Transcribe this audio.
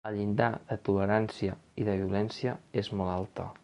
El llindar de tolerància i de violència és molt alta.